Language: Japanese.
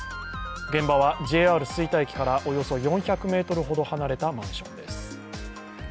現場は、ＪＲ吹田駅からおよそ４００ｍほど離れたマンションです。